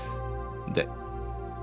で？